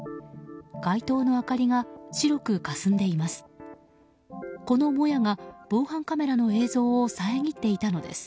街灯の明かりが白くかすんでいます。